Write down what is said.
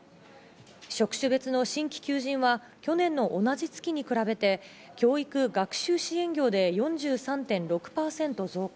職種別の新規求人は去年の同じ月に比べて、教育・学習支援業で４３．６％増加。